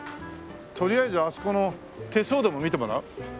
とりあえずあそこの手相でも見てもらう？